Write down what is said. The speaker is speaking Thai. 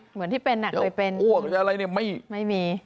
จะอ้วกอะไรเนี่ย